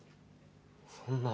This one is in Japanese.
そんな。